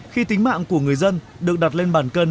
khi tính mạng của người dân được đặt lên bàn cân